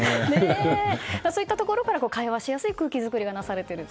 そういうところから会話しやすい空気作りがなされていると。